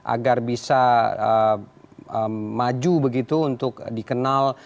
agar bisa maju begitu untuk dikenal